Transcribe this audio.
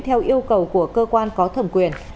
theo yêu cầu của cơ quan có thẩm quyền